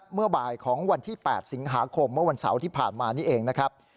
เมื่อบ่ายของวันที่๘สิงหาคมเมื่อวันเสาร์ที่ผ่านมานี่เองนะครับ